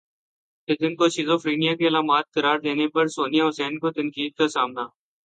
ٹزم کو شیزوفیرینیا کی علامت قرار دینے پر سونیا حسین کو تنقید کا سامنا